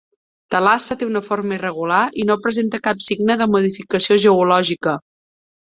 Thalassa té una forma irregular i no presenta cap signe de modificació geològica.